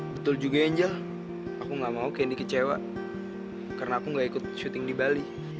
betul juga ya angel aku nggak mau kandy kecewa karena aku nggak ikut syuting di bali